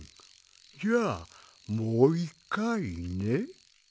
じゃあもういっかいね。